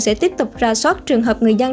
sẽ tiếp tục ra soát trường hợp người dân